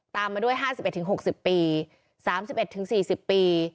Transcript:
ตามมาด้วย๕๑๖๐ปี๓๑๔๐ปี